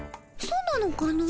そうなのかの？